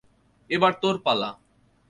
এবার তোর পালা।